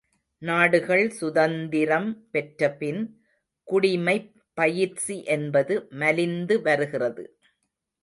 நாடுகள் சுதந்திரம் பெற்றபின் குடிமைப் பயிற்சி என்பது மலிந்து வருகிறது.